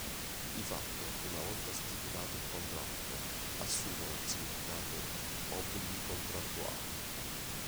Di fatto, una volta stipulato il contratto, assumono il significato di "obblighi contrattuali".